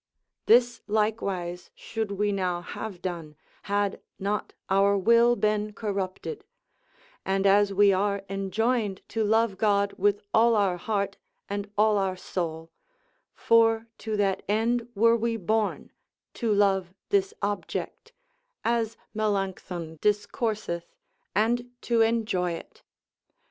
This likewise should we now have done, had not our will been corrupted; and as we are enjoined to love God with all our heart, and all our soul: for to that end were we born, to love this object, as Melancthon discourseth, and to enjoy it.